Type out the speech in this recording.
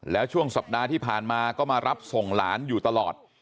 แล้วช่วงสัปดาห์ที่ผ่านมาก็มารับส่งหลานอยู่ตลอด